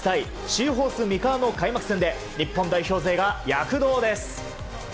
シーホース三河の開幕戦で日本代表勢が躍動です。